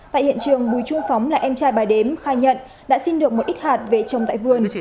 tại hiện trường bùi chu phóng là em trai bà đếm khai nhận đã xin được một ít hạt về trồng tại vườn